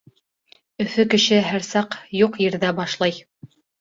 Өфө кешеһе һәр саҡ юҡ ерҙә башлай.